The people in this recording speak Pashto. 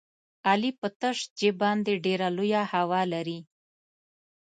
علي په تش جېب باندې ډېره لویه هوا لري.